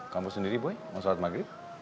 kamu sendiri boy mau sholat maghrib